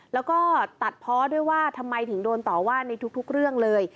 แล้วก็ตัดเพาะด้วยว่าทำไมถึงโดนต่อว่าในทุกเรื่องเลย